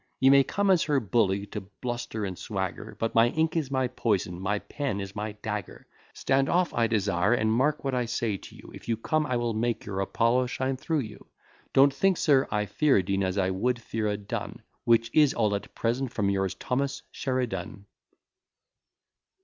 You may come as her bully, to bluster and swagger; But my ink is my poison, my pen is my dagger: Stand off, I desire, and mark what I say to you, If you come I will make your Apollo shine through you. Don't think, sir, I fear a Dean, as I would fear a dun; Which is all at present from yours, THOMAS SHERIDAN.